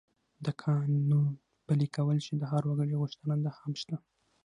د قانون پلي کول چې د هر وګړي غوښتنه ده، هم شته.